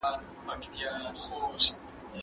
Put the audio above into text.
هغې په اسانۍ کپسول ته ننووتله.